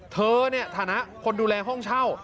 เธอเนี่ยฐานะคนดูแลห้องเช่า